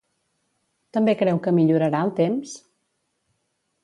També creu que millorarà el temps?